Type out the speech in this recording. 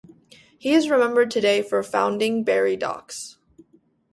He is best remembered today for founding Barry Docks.